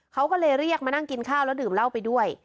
เขาก็เลยเรียกมานั่งกินข้าวแล้วดื่มเหล้าไปด้วย